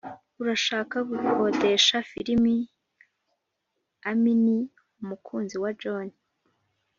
urashaka gukodesha firime?amy ni umukunzi wa john.